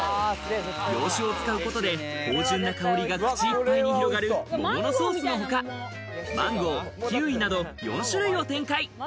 洋酒を使うことで芳醇な香りが口いっぱいに広がる桃のソースのほか、マンゴー、キウイなど４種類を展開。